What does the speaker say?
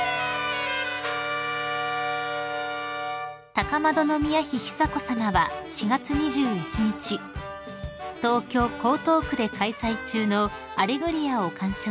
［高円宮妃久子さまは４月２１日東京江東区で開催中の『アレグリア』を鑑賞されました］